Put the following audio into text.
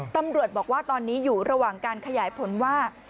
ตำรวจบอกว่าตอนนี้อยู่ระหว่างการขยายผลว่า